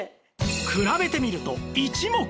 比べてみると一目瞭然！